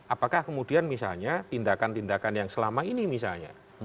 apakah kemudian misalnya tindakan tindakan yang selama ini misalnya